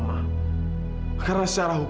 kamu juga pelan pelan sama fadil prono